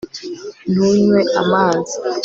ntunywe amazi